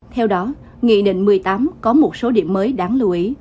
theo đó nghị định một mươi tám có một số điểm mới đáng lưu ý